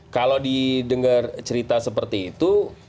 kalau didengar cerita seperti itu